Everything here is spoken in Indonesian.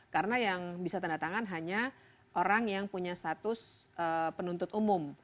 karena yang bisa tanda tangan hanya orang yang punya status penuntut umum